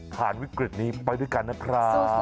วิกฤตนี้ไปด้วยกันนะครับ